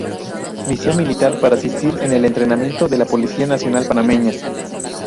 Misión militar para asistir en el entrenamiento de la Policía Nacional Panameña.